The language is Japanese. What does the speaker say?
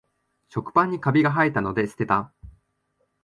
食パンにカビがはえたので捨てた